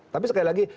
tapi sekali lagi